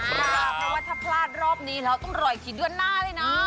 เพราะว่าถ้าพลาดรอบนี้แล้วต้องรออีกทีเดือนหน้าเลยนะ